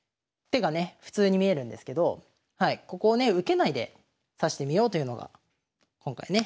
普通に見えるんですけどここをね受けないで指してみようというのが今回ね